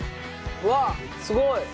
うわっすごい！